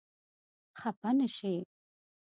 خپه نه شې.